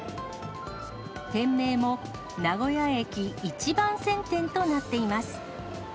店名も、名古屋駅１番線店となっています。